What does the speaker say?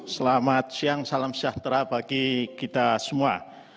selamat siang salam sejahtera bagi kita semua